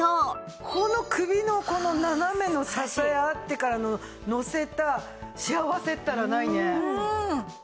この首のこの斜めの支えあってからののせた幸せったらないね。